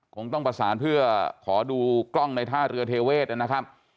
คงต้องประสานเพื่อขอดูกล้องในท่าเรือเทเวศนะครับ